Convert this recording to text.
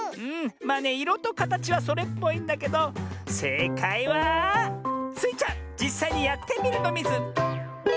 まあねいろとかたちはそれっぽいんだけどせいかいはスイちゃんじっさいにやってみるのミズ！